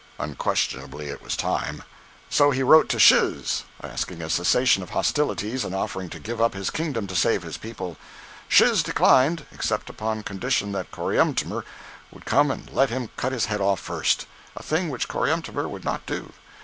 Unquestionably it was time. So he wrote to Shiz, asking a cessation of hostilities, and offering to give up his kingdom to save his people. Shiz declined, except upon condition that Coriantumr would come and let him cut his head off first—a thing which Coriantumr would not do.